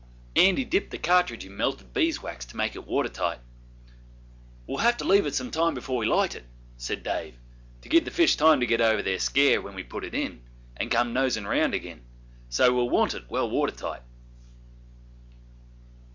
Andy dipped the cartridge in melted bees' wax to make it water tight. 'We'll have to leave it some time before we light it,' said Dave, 'to give the fish time to get over their scare when we put it in, and come nosing round again; so we'll want it well water tight.